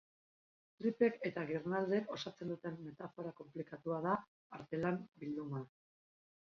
Tripek eta girnaldek osatzen duten metafora konplikatua da artelan bilduma.